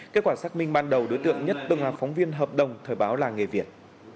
kết quả xác minh ban đầu đối tượng nhất từng là phóng viên hợp đồng thời báo là nghề việt